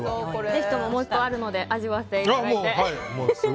ぜひとも、もう１個あるので味わっていただいて。